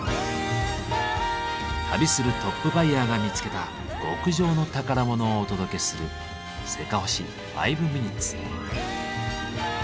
旅するトップバイヤーが見つけた極上の宝物をお届けする「せかほし５ｍｉｎ．」。